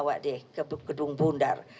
bawa deh ke gedung bundar